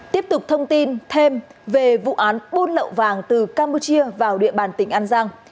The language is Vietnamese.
tiếp tục thông tin thêm về vụ án buôn lậu vàng từ campuchia vào địa bàn tỉnh an giang